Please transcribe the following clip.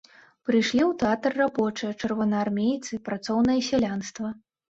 Прыйшлі ў тэатр рабочыя, чырвонаармейцы, працоўнае сялянства.